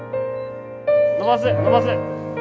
伸ばす伸ばす！